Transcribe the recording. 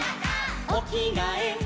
「おきがえ」